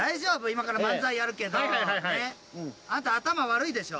今から漫才やるけどあなた頭悪いでしょ